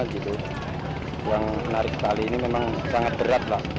yang menarik sekali ini memang sangat berat lah